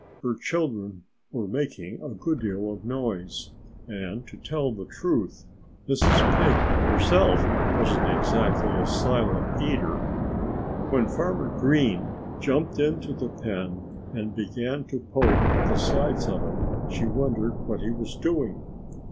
Her children were making a good deal of noise. And to tell the truth, Mrs. Pig herself wasn't exactly a silent eater. When Farmer Green jumped into the pen and began to poke at the sides of it she wondered what he was doing.